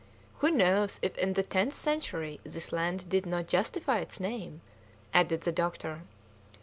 "Who knows if in the tenth century this land did not justify its name?" added the doctor.